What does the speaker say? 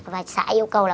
và xã yêu cầu là bốn mươi m